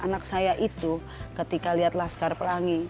anak saya itu ketika lihat laskar pelangi